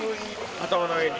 頭の上に。